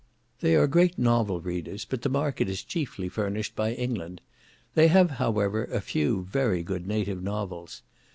They are great novel readers, but the market is chiefly furnished by England. They have, however, a few very good native novels.